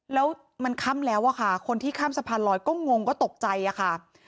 แล้วมันค่ำแล้วอะค่ะคนที่ข้ามสะพานลอยก็งงก็ตกใจอะค่ะ